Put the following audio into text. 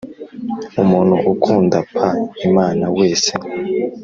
umuntu ukundaq imana wese